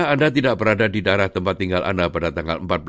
anda tidak berada di daerah tempat tinggal anda pada tanggal empat belas